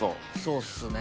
そうですね。